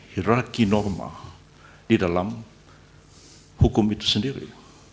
hirarki norma di dalam hukum itu sendiri